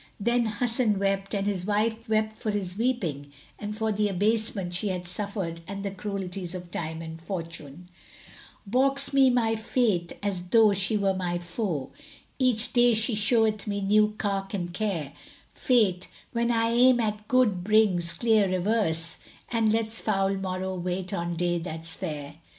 Then Hasan wept and his wife wept for his weeping and for the abasement she had suffered and the cruelties of Time and Fortune, "Baulks me my Fate as tho' she were my foe; * Each day she showeth me new cark and care: Fate, when I aim at good, brings clear reverse, * And lets foul morrow wait on day that's fair."